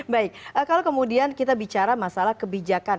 baik kalau kemudian kita bicara masalah kebijakan